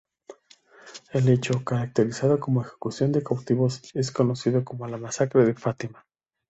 El hecho, caracterizado como "ejecución de cautivos" es conocido como la masacre de Fátima.